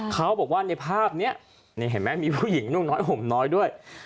เขาบอกว่าในภาพนี้นี่เห็นไหมมีผู้หญิงนุ่งน้อยห่มน้อยด้วย